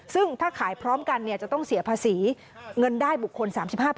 ซึ่งถ้าขายพร้อมกันจะต้องเสียภาษีเงินได้บุคคล๓๕